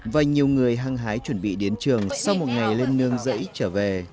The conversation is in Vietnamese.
và nhiều người hăng hái chuẩn bị đến trường sau một ngày lên nương rẫy trở về